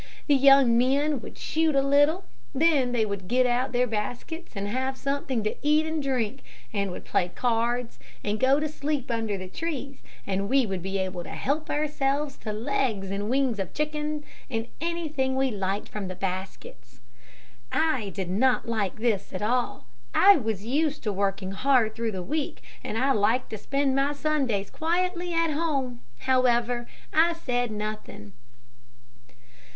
The young men would shoot a little, then they would get out their baskets and have something to eat and drink, and would play cards and go to sleep under the trees, and we would be able to help ourselves to legs and wings of chickens, and anything we liked from the baskets. "I did not like this at all. I was used to working hard through the week, and I liked to spend my Sundays quietly at home. However, I said nothing.